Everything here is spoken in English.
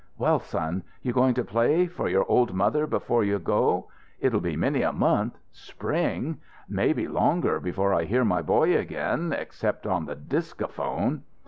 "Well, son, you going to play for your old mother before you go? It'll be many a month spring maybe longer before I hear my boy again except on the discaphone."